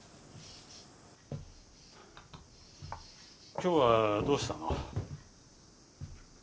今日はどうしたの？